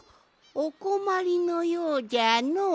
おこまりのようじゃのう。